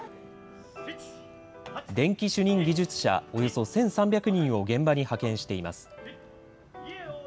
電気主任技術者およそ１３００人を現場に派遣しています。